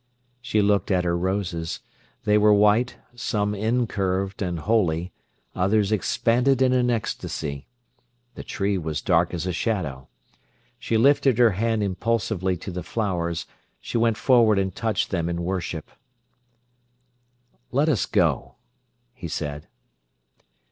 She looked at her roses. They were white, some incurved and holy, others expanded in an ecstasy. The tree was dark as a shadow. She lifted her hand impulsively to the flowers; she went forward and touched them in worship. "Let us go," he said.